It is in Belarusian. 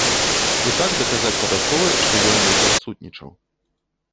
І так даказаць падатковай, што ён недзе адсутнічаў.